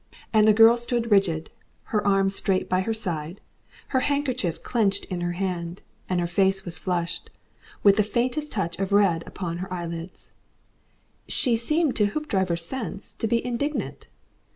And the girl stood rigid, her arms straight by her side, her handkerchief clenched in her hand, and her face was flushed, with the faintest touch of red upon her eyelids. She seemed to Mr. Hoopdriver's sense to be indignant.